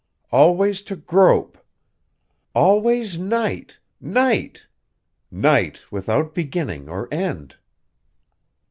Always to grope. Always night night night without beginning or end."